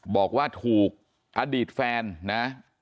บอกว่าถูกอดีตแฟนนะ